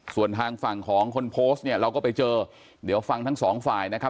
ส่วนทางฝั่งของคนโพสต์เนี่ยเราก็ไปเจอเดี๋ยวฟังทั้งสองฝ่ายนะครับ